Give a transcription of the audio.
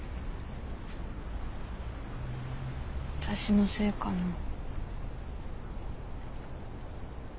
私のせいかな？